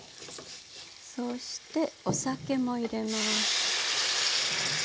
そしてお酒も入れます。